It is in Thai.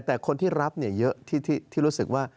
แต่คนที่รับเยอะที่รู้สึกว่า